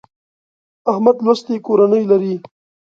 احمد لوستې کورنۍ لري.